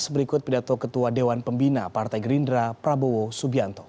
berikut pidato ketua dewan pembina partai gerindra prabowo subianto